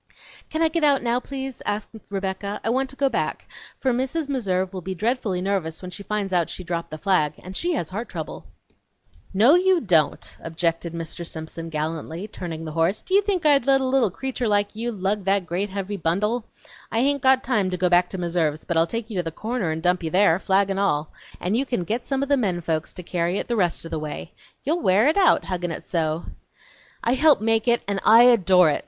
"Can I get out now, please?" asked Rebecca. "I want to go back, for Mrs. Meserve will be dreadfully nervous when she finds out she dropped the flag, and she has heart trouble." "No, you don't," objected Mr. Simpson gallantly, turning the horse. "Do you think I'd let a little creeter like you lug that great heavy bundle? I hain't got time to go back to Meserve's, but I'll take you to the corner and dump you there, flag n' all, and you can get some o' the men folks to carry it the rest o' the way. You'll wear it out, huggin' it so!" "I helped make it and I adore it!"